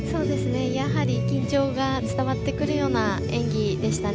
やはり、緊張が伝わってくるような演技でした。